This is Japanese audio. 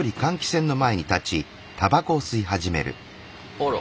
あら。